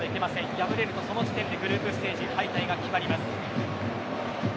敗れると、その時点でグループステージ敗退が決まります。